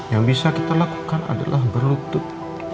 yang bisa kita lakukan adalah berlutut